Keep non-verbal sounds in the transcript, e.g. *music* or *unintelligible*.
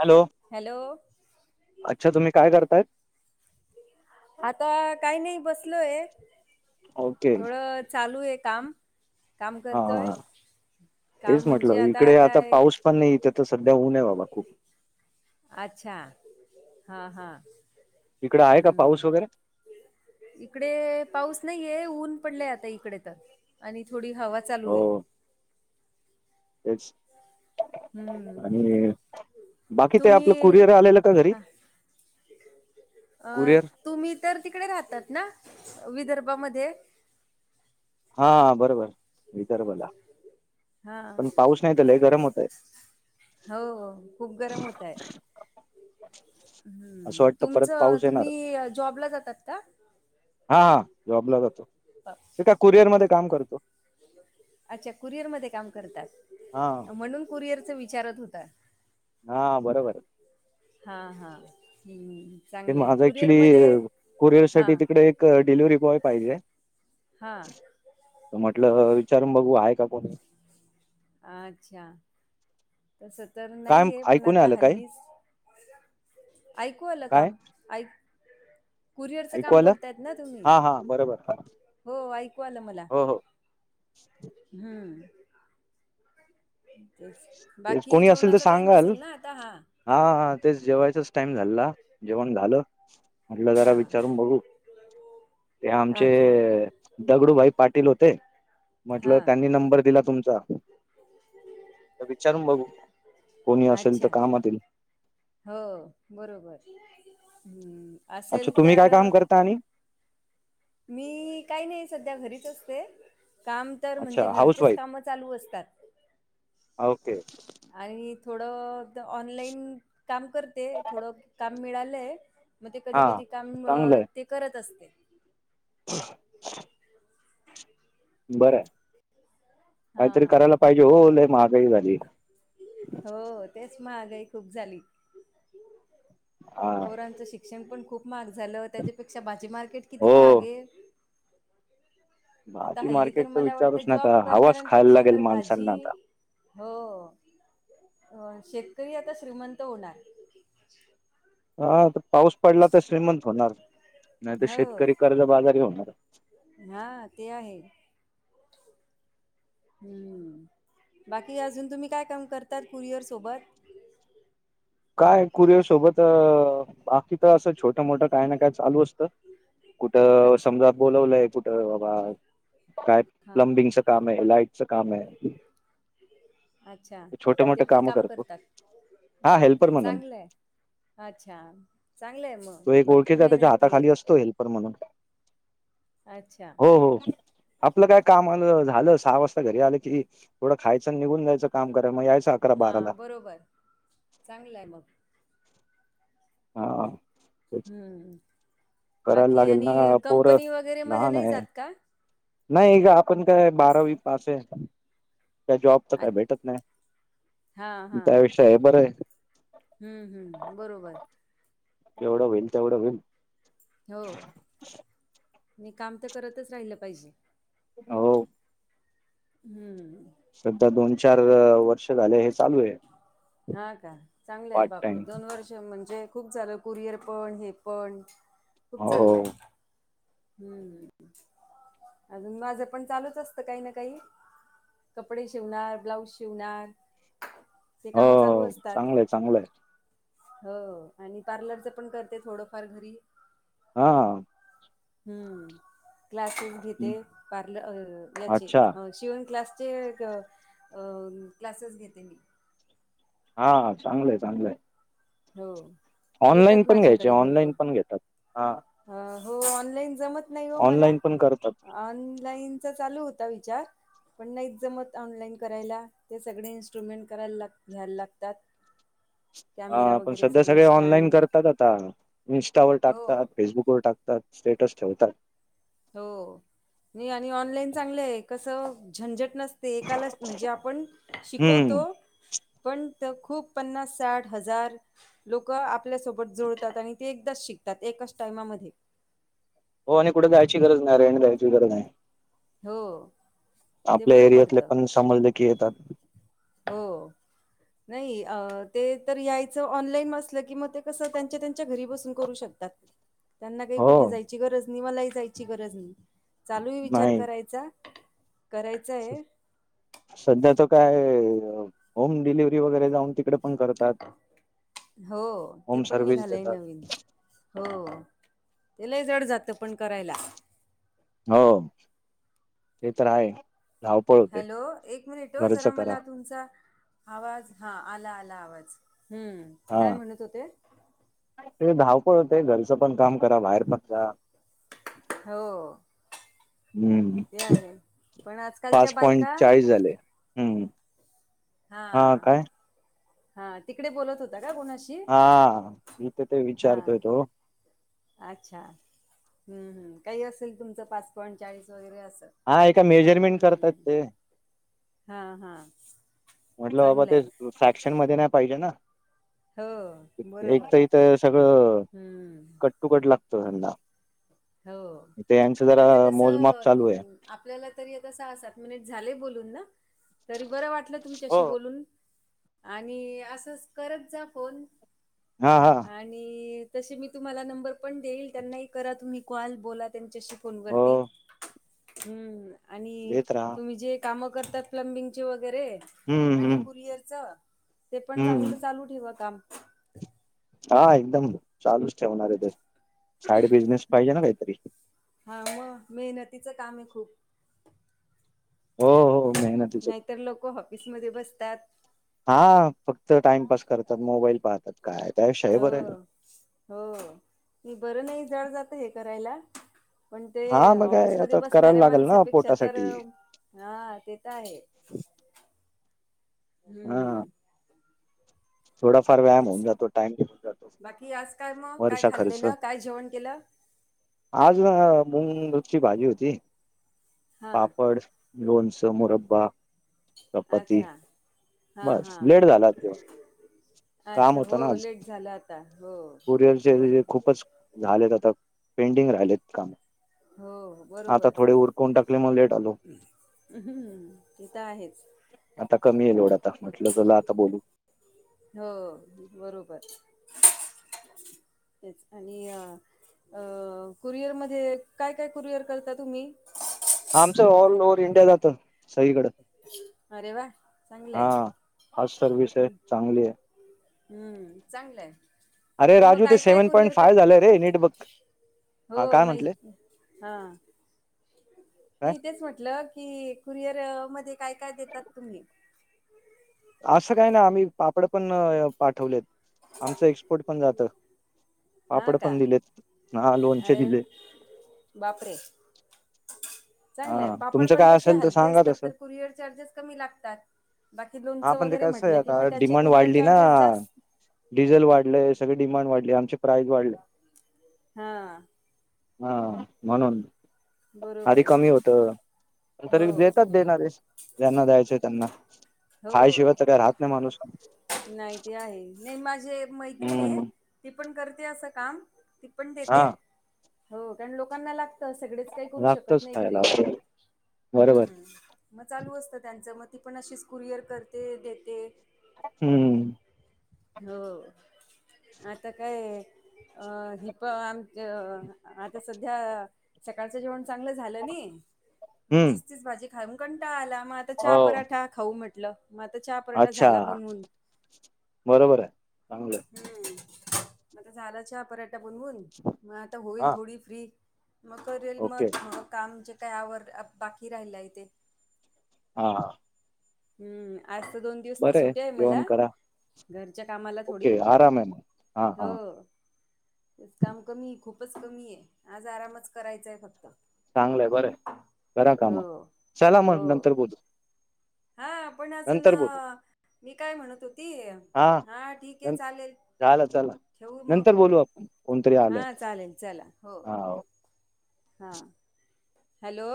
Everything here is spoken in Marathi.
हॅलो, हॅलो अच्छा तुम्ही काय करतायत. आता काही नाही बसलोय. ओके थोडं, चालू आहे काम, काम करतोय. हां तेच काम म्हणजे म्हटलं आता इकडे काय. पाऊस पण नाही त्या तर सध्या, ऊन आहे बाबा खूप. अच्छा, हा हा तिकडे आहे का हम्म. पाऊस वगैरे इकडे पाऊस नाहीये, ऊन पडलेय आता इकडे तर. आणि थोडी हवा चालू हो ये. तेच. हम्म आणि बाकी काय, आपलं तुम्ही कुरिअर आलेलं का घरी? हा अ कुरिअर तुम्ही तर तिकडे राहतात ना, विदर्भामध्ये. हा बरोबर विदर्भला, हा पण पाऊस नाही ते गरम होतंय. हो हो खूप गरम होतय. हम्म असं वाटतं परत तुमचं पाऊस तुम्ही अ जॉबला जातात का? हा जॉबला जातो ते का कुरिअर मध्ये काम करतो. अच्छा कुरिअर मध्ये काम हां करतात म्हणून कुरिअरच विचारत होता. हा बरोबर. हा हा हम्म हम्म. ते माझा ऍक्च्युली कुरिअर हां साठी तिकडे एक डिलिव्हरी बॉय पाहिजे. हा. म्हटलं विचारून बघू आहे का कोणी? अच्छा. तस तर काय नाहीये पण ऐकू नाही आता आलं काय हल्लीच ऐकू आलं काय काम? ऐक. कुरिअरचं ऐकू काम आलं बोलतायत ना तुम्ही हा हा बरोबर हो ऐकू आलं मला. हो हो हम्म. ते तेच बाकी कोणी असेल तर जेवणाचा टाइम सांगाल असेल ना आता हा. हा हा हा तेच जेवायचाच टाइम झाला जेवण झालं. म्हटलं जरा हां विचारून बघू ते आमचे अच्छा दगडू भाई पाटील होते म्हटलं हां त्यांनी नंबर दिला तुम्हचा *unintelligible* तर विचारून बघू कोणी असेल अच्छा तर कामात. हो हो बरोबर हम्म अच्छा असेल तुम्ही तर काय काम करता आणि मी मी काही नाही सध्या घरीच असते काम तर म्हणजे अच्छा हाऊस घरचेच वाईफ काम चालू असतात. ओ के. आणि थोडं ऑनलाईन काम करते थोडं काम मिळालंय. मग ते कधी हा कधी काम मम ते करत असते. ह *unintelligible* बरं हा काहीतरी करायला पाहिजे होय लय महागाई वाढलीय. हो तेच महागाई खूप झाली हा पोरांचं शिक्षण पण खूप महाग झालं त्याच्यापेक्षा भाजी मार्केट किती महाग हो आहे. आता भाजी हल्ली तर मार्केट मला विचारूच वाटतं जॉब नका हवाच खायला करणाऱ्यांपेक्षा लागेल तर भाजी माणसांना आता हो हो होय शेतकरी आता श्रीमंत होणार. हा तर पाऊस पडला तर श्रीमंत होणार नाही तर हो. शेतकरी कर्जबाजारी होणार. हा ते आहे. हम्म बाकी अजून तुम्ही काय काम करतात कुरिअर सोबत. काय कुरिअर सोबत अ अ बाकी तर असं छोट मोठं काय ना काय चालू असतं. कुठं अच्छा समजा बोलावलंय कुठं बा. काय हा प्लंमबिंगच काम आहे लाइटच काम आहे. अच्छा छोटे ते मोठे काम करतो हा हेल्प चांगलंय अच्छा चांगलंय मग तो एक भरपूर ओळखीचा आहे त्याच्या मेहनती हाताखाली आहे. असतो हेल्पर म्हणून अच्छा हो हो. आपलं काय काम आलं झालं सहा वाजता घरी आलं की थोडं खायचं निघून जायचं काम कराय मग यायचं. अकरा हा बाराला बरोबर चांगलंयं मग हा हा हा. हम्म. करायला बाकी लागेल आणि ना पोर कंपनी वगैरे मध्ये लहान नाही आहे. जात का? नाही ग आपण काय बारावी पास आहे. का जॉब च काय अच्छा भेटत हा नाही हा त्याविषय हे बरं आहे. हम्म हम्म बरोबर. एवढं होईल तेवढं होईल हो मी काम तर करतच राहिलं पाहिजे. हो हो. हम्म. सध्या दोन चार वर्ष झाले चालू आहे. हा का चांगले आहे पार्ट बापरे टाइम दोन वर्ष म्हणजे खूप झालं कुरिअर पण हे पण खूप हो चांगलं आहे. हम्म अजून माझं पण चालूच असतं काही ना काही. कपडे शिवणार ब्लाऊज शिवणार. ते हो काम चालू असतात. चांगलंय चांगलंय हो आणि पार्लरच पण करते थोडंफार घरी. हा. हम्म क्लासेस घेते पार्ल याचे अच्छा शिवून क्लासचे क अ क्लासेस घेते मी. हा चांगलंय चांगलंय. हो. ऑनलाईन येतात पण घ्यायचे माझ्याकडे भरपूर ऑनलाईन पण घेतात हा. अ हो ऑनलाईन जमत नाही हो मला. ऑनलाईन पण करतात ऑनलाईनचा चालू होता विचार. पण नाहीत जमत ऑनलाईन करायला ते सगळे इन्स्ट्रुमेंट करायला लाग घ्यायला लागतात. कॅमेरा हा पण वगैरे सध्या सगळं सगळे ऑनलाईन स्टँड करतात आता इन्स्टावर हो टाकतात. फेसबुकवर टाकतात स्टेटस ठेवतात. हो, नी आणि ऑनलाईन चांगलंय कसं झंझट नस ते एकालाच म्हणजे आपण शिकवतो हम्म पण त खूप पन्नास साठ हजार लोक आपल्यासोबत जुडतात आणि ते एकदाच शिकतात एकाच टाइमामध्ये. हो आणि कुठे द्यायची गरज नाही रेंड द्यायची गरज नाही. हो. ते आपल्या बरं एरियातले पडतं पण समजलेखी येतात. हो, नाही ते तर यायचं ऑनलाईन असलं की मग ते कस त्यानं चे त्यांचे घरी बसून करू शकतात त्यांना काय हो कुठे जायची गरज मी मलाही जायची गरज नाही. चालूय विचार नाही करायचा करायचा आहे. सध्या तर काय होम डिलिव्हरी वऊ वगैरे जाऊन तिकडं पण करतात हो ते होम पण सर्वेच निघालंय देतात. नवीन हो ते लय जड जातं पण करायला. हो, ते तर आहे. धावपळ होते हॅलो एक मिनिट हो जरा घरचं करा मला तुमचा आवाज हा आला आला आवाज हम्म हा काय म्हणत होते. ते धावपळ होते घरचं पण काम करा बाहेर पण जा. हो. हम्म ते आहे पण आजकालच्या पाच पॉइंट बायका चाळीस झाले हम्म. ह हा काय हा तिकडे बोलत होता का कोुणाशी. हा मीथ तीथ विचारतोय तो. अच्छा हम्म काही असेल तुमचं पाच पॉईट चाळीस वगैरे अस हा एका मेजरमेंट करतात ते. हा हा. म्हटलं बाबा ते चांगलंय फॅक्शन मध्ये नाही पाहिजे ना. हो बरोबर. एकत इथ सगळं हम्म कट टु कट लागतं यांला. हो आता कस मोजमाप चालू आहे. हम्म आप. आपल्याला तरी आता सहा सात मिनीटे झाले बोलून ना? तरी बरं वाटलं हो तुमच्याशी बोलून आणि असंच करत जा फोन. हा हा. आणि तशी मी तुम्हाला नंबर पण देईल त्यांनाही करा तुम्ही कॉल बोला. त्यांच्याशी फोनवरती हो हम्म. आणि घेत राहा तुम्ही जे काम करतात प्लंमबिंगचे वगैरे हम्म आणि हम्म कुरिअरच. ते पण हम्म चांगलं चालू ठेवा काम. हा एकदम चालूच ठेवणारे ते साईड बिझनेस पाहिजे ना काहीतरी. हा मग मेहनतीचं काम आहे खूप. हो हो मेहनतीच नाहीतर लोक ऑफिस मध्ये बसतात हा फक्त टाइमपास करतात मोबाईल पाहतात. काय काय हो हो ती बरं नाही जड जात हे करायला पण ते हा मग काय ऑफिसमध्ये आता करायला बसणाऱ्या लागेल ना माणसापेक्षा तर पोटासाठी हा हे काय आहे हा हम्म थोडाफार व्यायाम होऊन तेच जातो टाइम घेऊन जातो बाकी आज काय मग काय वरचा खर्च खाल्लेलं काय जेवण केलं आज ना मूंगूपची भाजी होती हा पापड लोनच मुरब्बा चपाती अच्छा हा बास हा लेट झाला आज जेवण. काम अच्छा हो होतं ना आज लेट झाला आता हो हो कुरिअरचे जे बरोबर. खूपच झालेत आता पेंडिंग राहिलेत काम. हो. आता बरोबर थोडे उरकून टाकले मग लेट आलो. तिथं आहेच. आता कमीये लोड आता म्हटलं चला आता बोलू. हो बरोबर. तेच आणि अ अ कुरिअर मध्ये काय काय कुरिअर करता तुम्ही? आमचं ऑल ओव्हर इंडिया जात. सगळीकड अरे वा चांगलं हा आहे फास्ट सर्विस आहे हम्म चांगली आहे. हम्म चांगलं हाय. अरे राजू ते सेव्हन पॉईंट फाय झालंय रे नीट बग. हो माहि हा काय मी तेेच म्हटलं की कुरिअर मध्ये काय काय देतात तुम्ही? असं काय ना आम्ही पापड पण पाठवलेत आमचं एक्सपोर्ट पण जातं. हा पापड पण का दिलेत ना लोणचे अरे दिले. बापरे! हा चांगलेय पापड तुमचं पण काय कसे असेल तर हलके सांगा असतात तसं तर कुरिअर चार्जेस कमी लागतात. बाकी हा लोनचं पण ते वगैरे कसं आहे म्हटलं की मग आता त्याचे डिमांड कुरिअर वाढली ना चार्जेस जास्त डिझेल वाढलंय सगळे डिमांड वाढले आमचे प्राईज वाढले. हा हा म्हणून. बरं. आधी कमी होतं तरी देतात देणारे ज्यांना द्यायचे त्यांना. हो खायशिवाय तर काय राहत नाही माणूस नाही ती आहे नाही माझे मैत्रिणीये हम्म ती पण करते असं काम. ती पण हा देते हो कारण लोकांना लागते सगळेच काही करू शकत लागतच नाही घरी खायला काम बरोबर हम्म. मग चालू असतं त्यांचं मग ती पण अशीच कुरिअर करते देते. हम्म. हो आता काय अ हिप आमचं आता सध्या सकाळचं जेवण चांगलं झालं नाही मग हम्म तीच तीच भाजी खाऊन कंटाळा आला मग आता चहा हो पराठा खाऊ म्हटलं मग आता चहा पराठा अच्छा झाला बनवून. बरोबर आहे चांगलंय. हम्म मग आता झाला चहा पराठा बनवून मग आता होईल हा थोडी फ्री मग करेल ओके मग मग काम जे काय आवर बाकी राहिलाय ते. हा हा हम्म आज तर दोन दिवस तर बरं सुटी आहे मला. जेवण करा घरच्या कामाला थोडी ओके आराम आहे मग हा हो हा तेच काम कमी आहे खूपच कमी आहे, आज आरामच करायचाय फक्त. चांगलंय बरं करा हो कामा चला हो. मग नंतर बोलू. हा पण अजून नंतर बोलू मी काय म्हणत होती. हा ठीक आहे चालेल. झालं चला. ठेवू मग नंतर फोन बोलू आपण कोणतरी आलय हा चालेल चला हो. हा ओ हा हॅलो